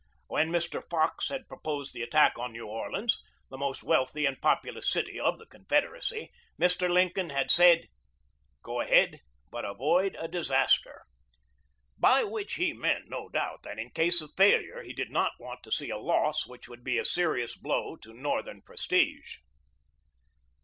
When Mr. Fox had proposed the attack on New Orleans, the most wealthy and populous city of the Confederacy, Mr. Lincoln had said: "Go ahead, but avoid a disaster"; by which he meant, no doubt, that in case of failure he did not want to see a loss which would be a serious blow to Northern prestige.